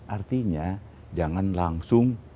artinya jangan langsung